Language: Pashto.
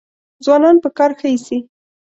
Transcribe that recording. ځوانان په کار ښه ایسي.